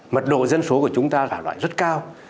mật độ dân số của chúng ta là loại rất cao